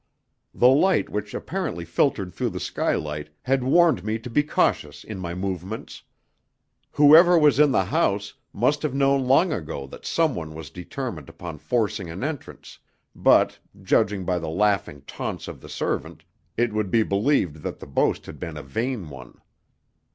The light which apparently filtered through the skylight had warned me to be cautious in my movements. Whoever was in the house must have known long ago that someone was determined upon forcing an entrance, but, judging by the laughing taunts of the servant, it would be believed that the boast had been a vain one.